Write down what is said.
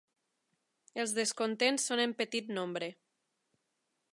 Els descontents són en petit nombre.